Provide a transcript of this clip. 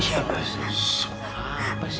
sebenernya apa sih